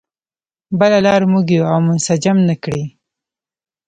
بله لار موږ یو او منسجم نه کړي.